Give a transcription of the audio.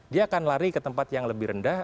dia akan lari ke tempat yang lebih rendah